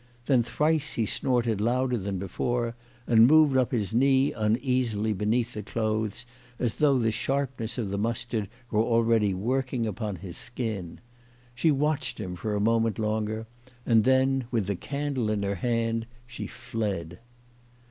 Then thrice he snorted louder than before, and moved up his knee uneasily beneath the clothes as though the sharpness of the mustard were already working upon his skin. She watched him for a moment longer, and then, with the candle in her hand, she fled.